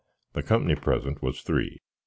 The compny presint was three; wiz.